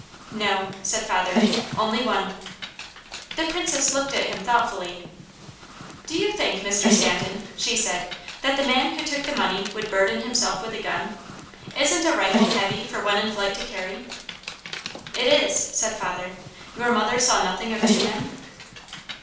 "No," said father. "Only one." The Princess looked at him thoughtfully. "Do you think, Mr. Stanton," she said, "that the man who took the money would burden himself with a gun? Isn't a rifle heavy for one in flight to carry?" "It is," said father. "Your mother saw nothing of two men?"